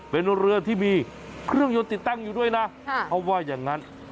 เป็นเรือที่มีเครื่องยนต์ติดตั้งอยู่ด้วยนะเขาว่าอย่างนั้น